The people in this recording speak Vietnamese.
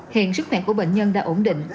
hiện sức mạnh của bệnh nhân đã ổn định